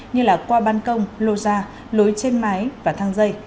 như là qua ban công lô ra lối trên máy và thang dây